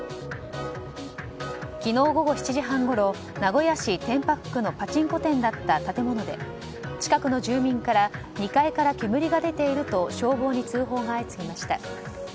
昨日午後７時半ごろ名古屋市天白区のパチンコ店だった建物で近くの住民から２階から煙が出ていると消防に通報が相次ぎました。